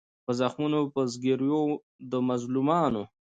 په زخمونو په زګیروي د مظلومانو